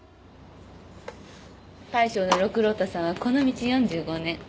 大将の六郎太さんはこの道４５年。